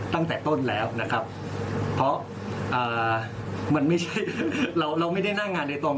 ตั้งแต่ต้นแล้วนะครับเพราะมันไม่ใช่เราเราไม่ได้นั่งงานโดยตรง